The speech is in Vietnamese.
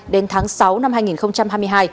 đến tháng sáu năm hai nghìn hai mươi hai